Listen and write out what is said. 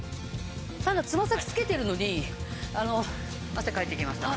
ただつま先つけてるのにあの汗かいてきました。